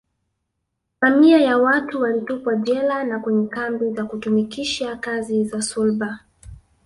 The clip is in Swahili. Mamia ya watu walitupwa jela na kwenye kambi za kutumikisha kazi za sulba